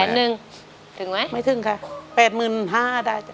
หนึ่งถึงไหมไม่ถึงค่ะ๘๕๐๐บาทได้จ้